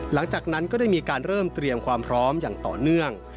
หลังจากนั้นก็ได้มีการเริ่มเตรียมความพร้อมอย่างต่อเนื่อง